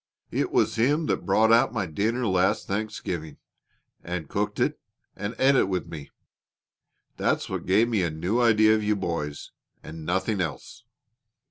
"It was him that brought out my dinner last Thanksgivin', an cooked it, an' et it with me. That's what give me a new idea of you boys, an' nothin' else."